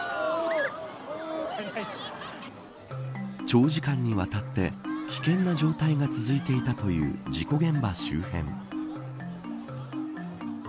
長時間にわたって危険な状態が続いていたという事故現場周辺。